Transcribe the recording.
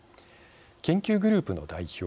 研究グループの代表